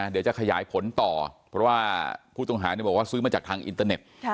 เดี๋ยวจะขยายผลต่อเพราะว่าผู้ต้องหาบอกว่าซื้อมาจากทางอินเตอร์เน็ต